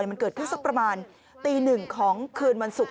มันเกิดขึ้นสักประมาณตีหนึ่งของคืนวันศุกร์